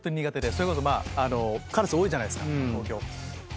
それこそカラス多いじゃないですか東京。